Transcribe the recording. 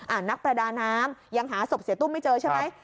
นักประดาน้ำยังหาศพเสียตุ้มไม่เจอใช่ไหม